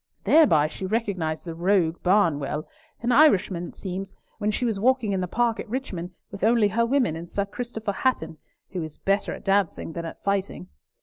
Thereby she recognised the rogue Barnwell, an Irishman it seems, when she was walking in the Park at Richmond with only her women and Sir Christopher Hatton, who is better at dancing than at fighting.